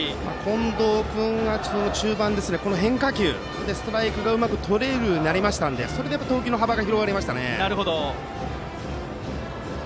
近藤君は中盤から変化球でストライクがうまくとれるようになりましたのでそれで投球の幅が広がりましたね。